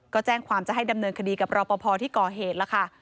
ก็แจ้งความจะให้ดำเนินคดีกับรอปภที่ก่อเหตุแล้วค่ะ